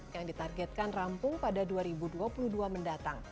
yang ditargetkan rampung pada dua ribu dua puluh dua mendatang